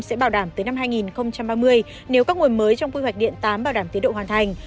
sẽ bảo đảm tới năm hai nghìn ba mươi nếu các nguồn mới trong quy hoạch điện tám bảo đảm tiến độ hoàn thành